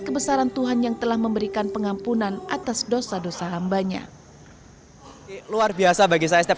kebesaran tuhan yang telah memberikan pengampunan atas dosa dosa hambanya luar biasa bagi saya setiap